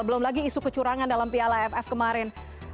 belum lagi isu kecurangan dalam piala aff kemarin